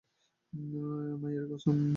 মায়ের কসম স্যার।